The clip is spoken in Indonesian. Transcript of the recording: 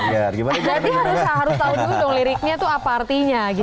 jadi harus tahu dulu dong liriknya itu apa artinya gitu ya